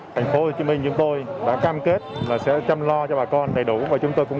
thành phố hồ chí minh chúng tôi đã cam kết là sẽ chăm lo cho bà con đầy đủ và chúng tôi cũng